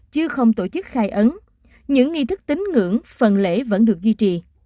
chứ không tổ chức khai ấn những nghi thức tính ngưỡng phần lễ vẫn được duy trì